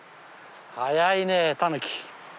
早いねタヌキ。